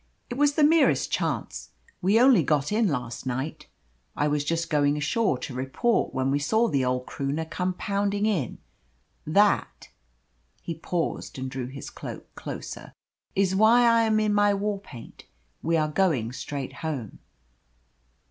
It was the merest chance. We only got in last night. I was just going ashore to report when we saw the old Croonah come pounding in. That" he paused and drew his cloak closer "is why I am in my war paint! We are going straight home."